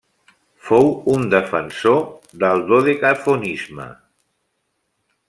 Fou un defensor del dodecafonisme.